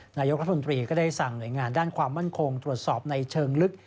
นายกรัฐมนตรีก็ได้สั่งหน่วยงานด้านความมั่นคงตรวจสอบในเชิงลึก